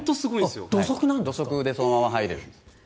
土足でそのまま入れるんです。